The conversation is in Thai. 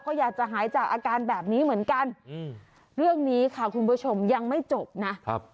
ก็อยากจะหายจากอาการแบบนี้เหมือนกันอืมเรื่องนี้ค่ะคุณผู้ชมยังไม่จบนะครับ